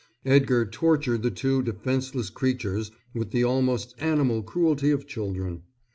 Edgar tortured the two defenceless creatures with the almost animal cruelty of children.